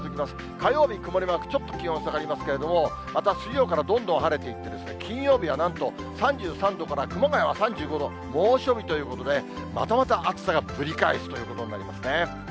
火曜日、曇りマーク、ちょっと気温は下がりますけれども、また水曜からどんどん晴れていって、金曜日はなんと３３度から、熊谷は３５度、猛暑日ということで、またまた暑さがぶり返すということになりますね。